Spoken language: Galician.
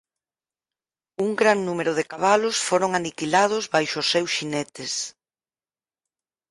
Un gran número de cabalos foron aniquilados baixo os seus xinetes.